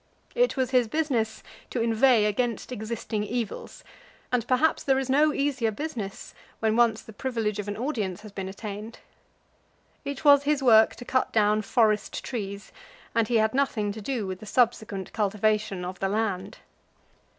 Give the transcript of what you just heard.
It was his business to inveigh against existing evils, and perhaps there is no easier business when once the privilege of an audience has been attained. It was his work to cut down forest trees, and he had nothing to do with the subsequent cultivation of the land.